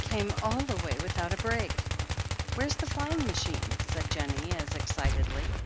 "Came all the way without a break." "Where's the flying machine?" said Jennie, as ex citedly.